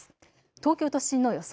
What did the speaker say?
東京都心の予想